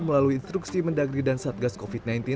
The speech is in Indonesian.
melalui instruksi mendagri dan satgas covid sembilan belas